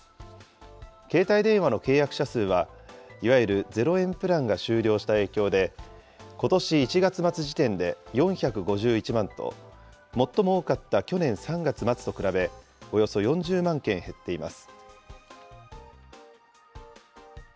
携帯電話の契約者数は、いわゆる０円プランが終了した影響で、ことし１月末時点で４５１万と、最も多かった去年３月末と比べおよそ４０万件減っています。